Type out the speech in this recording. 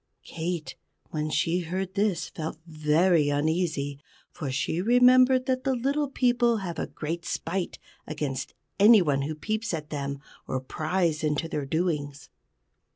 _" Kate, when she heard this, felt very uneasy, for she remembered that the Little People have a great spite against any one who peeps at them, or pries into their doings.